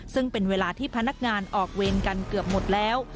ซึ่งเป็นเวลาที่พนักงานออกเวรกันเกือบหมดแล้ว